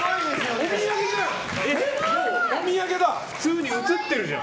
お土産じゃん。